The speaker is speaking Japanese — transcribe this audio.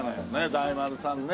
大丸さんね。